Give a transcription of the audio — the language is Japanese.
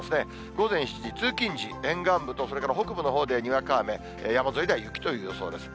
午前７時、通勤時、沿岸部とそれから北部のほうでにわか雨、山沿いでは雪という予想です。